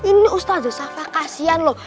ini ustadz zafa kasian loh